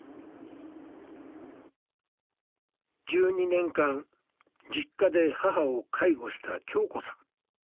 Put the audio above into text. １２年間は実家で母を介護した恭子さん。